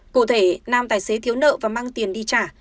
cụ thể nam tài xế thiếu nợ và mang tiền đi trả